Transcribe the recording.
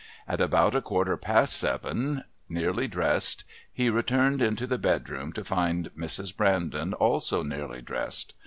At about a quarter past seven, nearly dressed, he returned into the bedroom, to find Mrs. Brandon also nearly dressed.